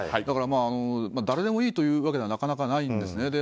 だから誰でもいいというわけではなかなかないんですね。